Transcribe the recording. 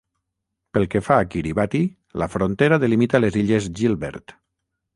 Pel que fa a Kiribati, la frontera delimita les illes Gilbert.